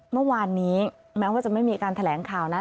เมื่อวานนี้แม้ว่าจะไม่มีการแถลงข่าวนะ